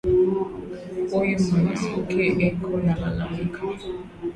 Uyu mwanamuke eko na lalamika